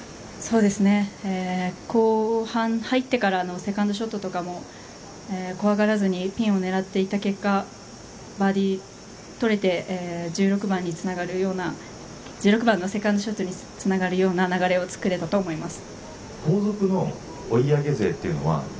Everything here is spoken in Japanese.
後半入ってからのセカンドショットとかも怖がらずにピンを狙っていった結果バーディー取れて１６番につながるような１６番のセカンドショットにつながるような流れをつくれたと思います。